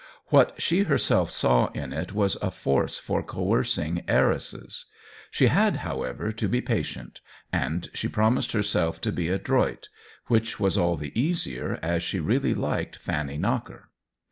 What she herself saw in it was a force for coercing heiresses. She had, however, to be patient, and she promised herself to be adroit ; which was all the easier, as she really liked Fanny Knocker.